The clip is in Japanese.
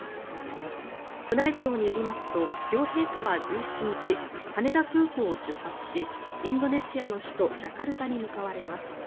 宮内庁によりますと両陛下は１７日羽田空港を出発しインドネシアの首都ジャカルタに向かわれます。